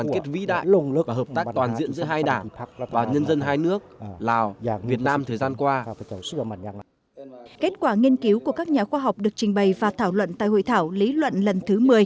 kết quả nghiên cứu của các nhà khoa học được trình bày và thảo luận tại hội thảo lý luận lần thứ một mươi